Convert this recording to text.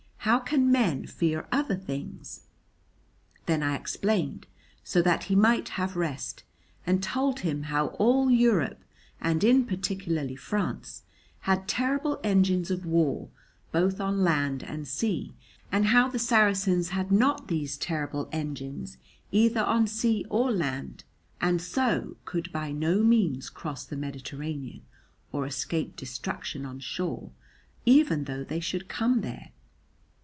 How can men fear other things?" Then I explained, so that he might have rest, and told him how all Europe, and in particular France, had terrible engines of war, both on land and sea; and how the Saracens had not these terrible engines either on sea or land, and so could by no means cross the Mediterranean or escape destruction on shore even though they should come there.